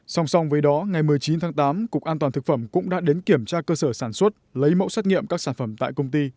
song song với đó ngày một mươi chín tháng tám cục an toàn thực phẩm cũng đã đến kiểm tra cơ sở sản xuất lấy mẫu xét nghiệm các sản phẩm tại công ty